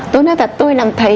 tôi nói thật tôi làm thầy